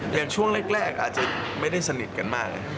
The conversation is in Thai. อย่างช่วงแรกอาจจะไม่ได้สนิทกันมากนะ